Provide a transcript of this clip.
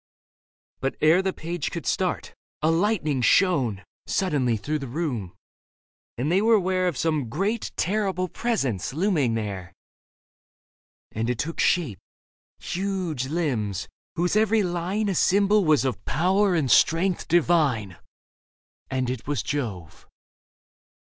But ere the page could start, a lightning shone Suddenly through the room, and they were 'ware Of some great terrible presence looming there. And it took shape — huge limbs, whose every line A symbol was of power and strength divine, And it was Jove.